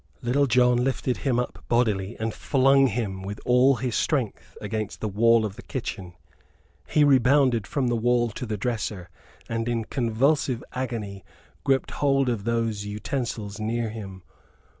Little John lifted him up bodily and flung him with all his strength against the wall of the kitchen. He rebounded from the wall to the dresser; and in convulsive agony gripped hold of those utensils near him.